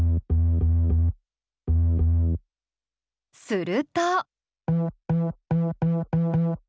すると。